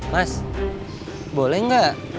mas boleh gak